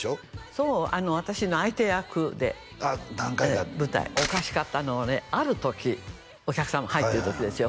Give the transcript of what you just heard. そう私の相手役で舞台おかしかったのはねある時お客さんも入ってる時ですよ